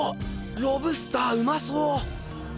ロブスターうまそ！